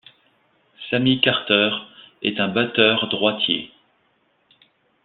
Sammy Carter est un batteur droitier.